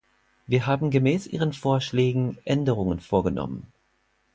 Wir haben gemäß ihren Vorschlägen Änderungen vorgenommen.